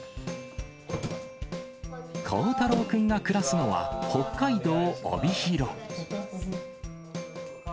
幸太朗君が暮らすのは、北海道帯広。